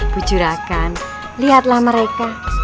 pujurakan lihatlah mereka